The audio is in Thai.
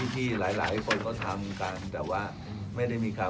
ที่หลายหลายคนก็ทำกันแต่ว่าไม่ได้มีข่าว